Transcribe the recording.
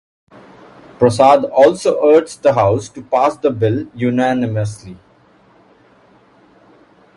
Prasad also urged the House to pass the bill unanimously.